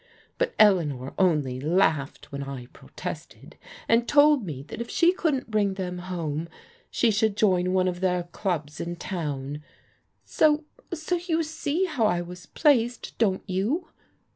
But Eleanor only laughed when I protested, and told me that if she couldn't bring them home, she should join one of their clubs in town. So — so you see how I was placed, don't you?